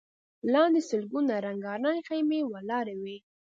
لاندې سلګونه رنګارنګ خيمې ولاړې وې.